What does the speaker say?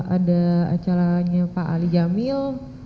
ada acaranya pak ali jamil